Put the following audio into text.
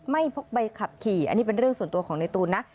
พกใบขับขี่อันนี้เป็นเรื่องส่วนตัวของในตูนนะ